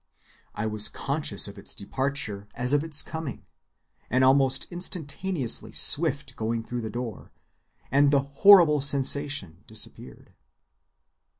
I was conscious of its departure as of its coming: an almost instantaneously swift going through the door, and the 'horrible sensation' disappeared.